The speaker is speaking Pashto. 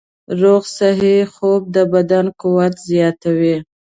روغ صحي خوب د بدن قوت زیاتوي.